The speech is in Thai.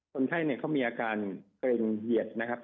คนไข้เขามีอาการเกร็งเหยียดนะครับ